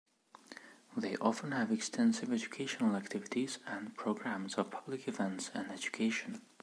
They often have extensive educational activities, and programmes of public events and education.